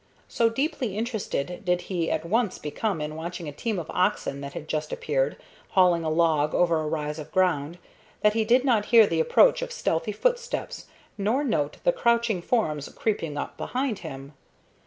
So deeply interested did he at once become in watching a team of oxen that had just appeared, hauling a log over a rise of ground, that he did not hear the approach of stealthy footsteps nor note the crouching forms creeping up behind him.